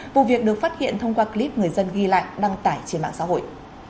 vụ việc được phát hiện thông qua clip người dân ghi lại đăng tải trên mạng xã hội